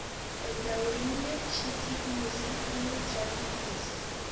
Bedaŭrinde ĉi tiu muziko ne travivis.